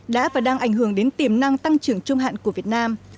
đã và đang ảnh hưởng đến tiềm năng tăng trưởng trung hạn của việt nam